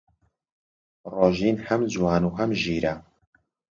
ڕۆژین هەم جوان و هەم ژیرە.